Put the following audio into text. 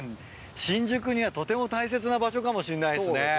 新宿にはとても大切な場所かもしれないですね。